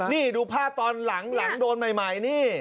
นี่ดูผ้าตอนหลังหลังโดนใหม่นี่